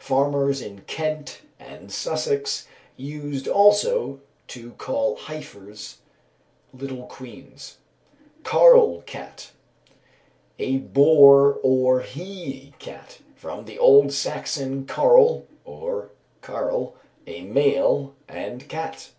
Farmers in Kent and Sussex used also to call heifers "little queens." Carl cat. A boar or he cat, from the old Saxon carle or karle, a male, and cat.